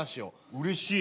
うれしい。